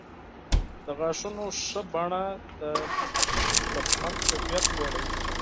د غاښونو ښه بڼه د لبخند کیفیت لوړوي.